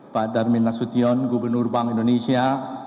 pak darmin nasution gubernur bank indonesia